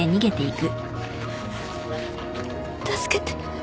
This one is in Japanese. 助けて。